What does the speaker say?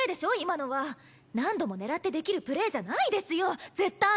何度も狙ってできるプレーじゃないですよ絶対！